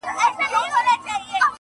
د ځان په نؤلو راځي